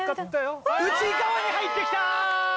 内側に入って来た！